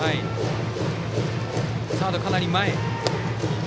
サードはかなり前。